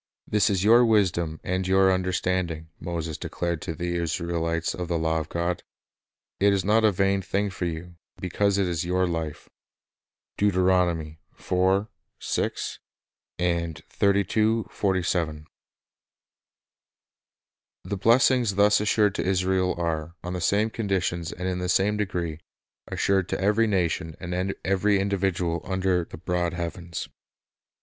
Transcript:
"This is your wisdom and your under standing," Moses declared to the Israelites of the law of God. "It is not a vain thing for you; because it is your life." 4 The blessings thus assured to Israel are, on the same conditions and in the same degree, assured to every nation and every individual under the broad heavens.